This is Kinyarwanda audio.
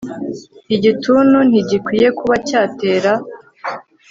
igituntu ntigikwiye kuba cyatera